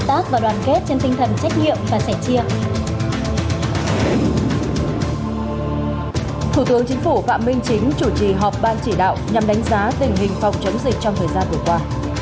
thủ tướng chính phủ phạm minh chính chủ trì họp ban chỉ đạo nhằm đánh giá tình hình phòng chống dịch trong thời gian vừa qua